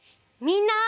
みんな！